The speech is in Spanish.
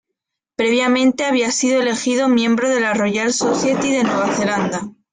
Previamente había sido elegido Miembro de la Royal Society de Nueva Zelanda.